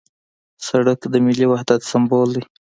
سړک د ملي وحدت سمبول دی.